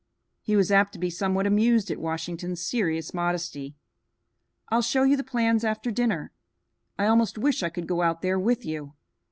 He was apt to be somewhat amused at Washington's serious modesty. "I'll show you the plans after dinner. I almost wish I could go out there with you."